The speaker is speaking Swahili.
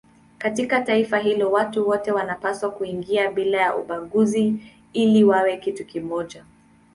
Katika taifa hilo watu wote wanapaswa kuingia bila ya ubaguzi ili wawe kitu kimoja.